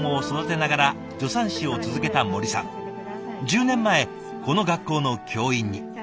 １０年前この学校の教員に。